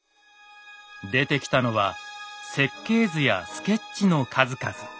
出てきたのは設計図やスケッチの数々。